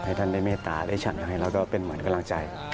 ท่านได้เมตตาได้ฉันให้แล้วก็เป็นเหมือนกำลังใจ